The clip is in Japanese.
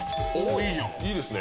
いいですね。